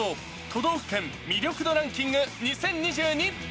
都道府県魅力度ランキング２０２２。